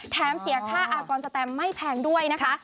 เสียค่าอากรสแตมไม่แพงด้วยนะคะ